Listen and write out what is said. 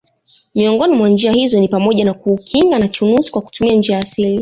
Miongoni mwa njia hizo ni pamoja na kuukinga na chunusi kwa kutumia njia asili